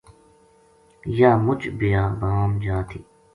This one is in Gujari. یاہ مُچ بیابان جا تھی